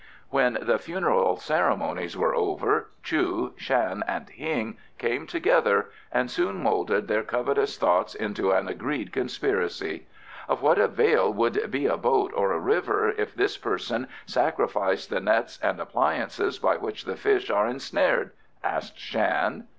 When the funeral ceremonies were over, Chu, Shan, and Hing came together, and soon moulded their covetous thoughts into an agreed conspiracy. "Of what avail would be a boat or a river if this person sacrificed the nets and appliances by which the fish are ensnared?" asked Shan.